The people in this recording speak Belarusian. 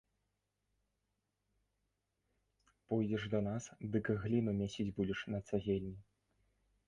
Пойдзеш да нас, дык гліну мясіць будзеш на цагельні.